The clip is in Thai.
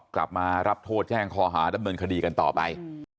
กลับมารับโทษแจ้งคอหาดำเนินคดีกันต่อไป